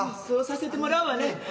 そうさせてもらうわね。